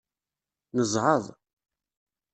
Nezɛeḍ.